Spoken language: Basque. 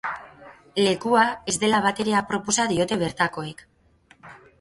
Lekua ez dela batere aproposa diote bertakoek.